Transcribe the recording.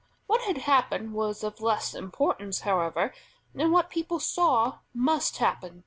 What had happened was of less importance, however, than what people saw must happen.